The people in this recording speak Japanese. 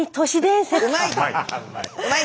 うまい！